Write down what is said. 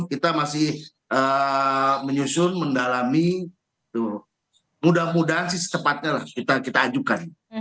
kita masih menyusun mendalami mudah mudahan sih secepatnya lah kita ajukan